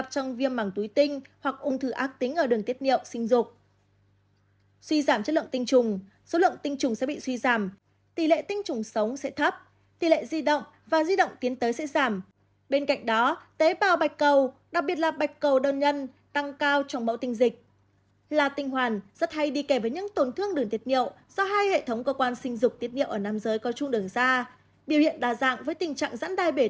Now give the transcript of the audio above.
biểu hiện đa dạng với tình trạng rãn đai bể thận một bên hoặc hai bên